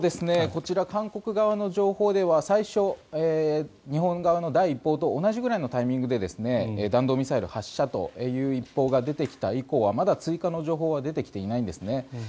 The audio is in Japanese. こちら、韓国側の情報では最初、日本側の第１報と同じぐらいのタイミングで弾道ミサイル発射という一報が出てきた以降はまだ追加の情報は出てきていないんですね。